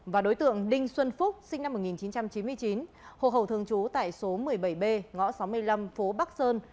và đối tượng đinh xuân phúc sinh năm một nghìn chín trăm chín mươi chín hộ khẩu thường trú tại số một mươi bảy b ngõ sáu mươi năm phố bắc sơn